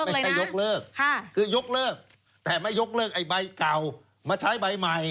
ยกเลิกคือยกเลิกแต่ไม่ยกเลิกไอ้ใบเก่ามาใช้ใบใหม่